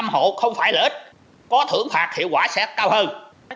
một mươi một chín trăm linh năm hộ không phải lợi ích có thưởng phạt hiệu quả sẽ cao hơn